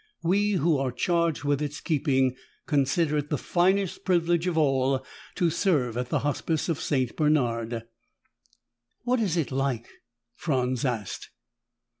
We who are charged with its keeping consider it the finest privilege of all to serve at the Hospice of St. Bernard." "What is it like?" Franz asked.